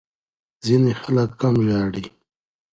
ځینې خلک کم ژاړي.